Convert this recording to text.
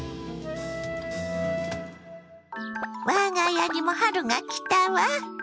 我が家にも春が来たわ。